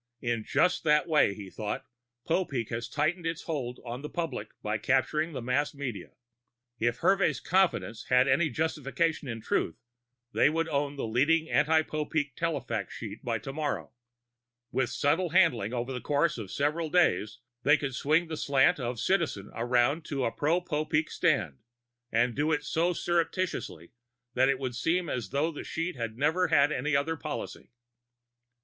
In just that way, he thought, Popeek was tightening its hold on the public by capturing the mass media. If Hervey's confidence had any justification in truth, they would own the leading anti Popeek telefax sheet by tomorrow. With subtle handling over the course of several days, they could swing the slant of Citizen around to a pro Popeek stand, and do it so surreptitiously that it would seem as though the sheet had never had any other policy.